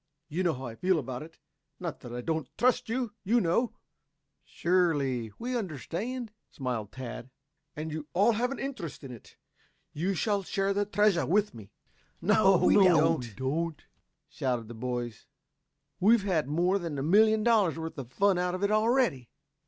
You know how I feel about it not that I do not trust you. You know " "Surely we understand," smiled Tad. "And you all have an interest in it you shall share the treasure with me " "No, we don't," shouted the boys. "We've had more than a million dollars worth of fun out of it already."